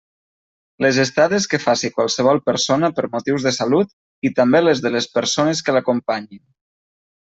Les estades que faci qualsevol persona per motius de salut, i també les de les persones que l'acompanyin.